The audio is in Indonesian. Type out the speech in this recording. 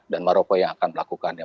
dan maroko yang akan melakukannya